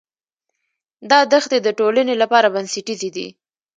دا دښتې د ټولنې لپاره بنسټیزې دي.